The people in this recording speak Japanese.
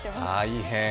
大変。